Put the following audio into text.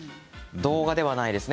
動画ではないですね。